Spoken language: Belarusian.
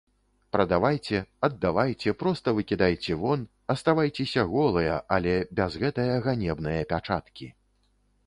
Прадавайце, аддавайце, проста выкідайце вон, аставайцеся голыя, але без гэтае ганебнае пячаткі.